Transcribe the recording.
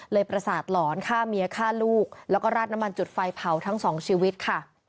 ประสาทหลอนฆ่าเมียฆ่าลูกแล้วก็ราดน้ำมันจุดไฟเผาทั้งสองชีวิตค่ะ